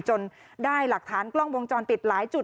ได้หลักฐานกล้องวงจรปิดหลายจุด